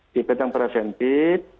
di bidang presentif